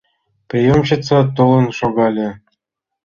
Приёмщица толын шогале.